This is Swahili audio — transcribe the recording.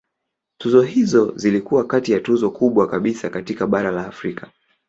Tuzo hizo zilikuwa kati ya tuzo kubwa kabisa katika bara la Afrika.